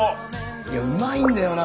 いやうまいんだよな